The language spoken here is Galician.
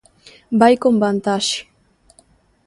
Vai con vantaxe.